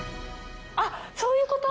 あっそういうこと？